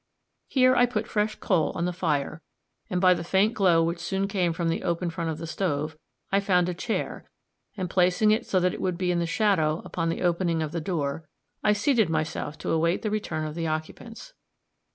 Here I put fresh coal on the fire, and by the faint glow which soon came from the open front of the stove, I found a chair, and placing it so that it would be in the shadow upon the opening of the door, I seated myself to await the return of the occupants.